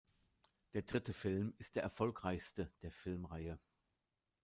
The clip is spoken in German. Der dritte Film ist der erfolgreichste der Filmreihe.